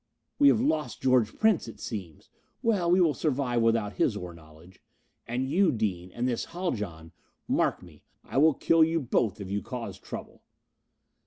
"We have lost George Prince, it seems. Well, we will survive without his ore knowledge. And you, Dean and this Haljan mark me, I will kill you both if you cause trouble!"